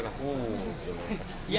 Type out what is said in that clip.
ya oh psi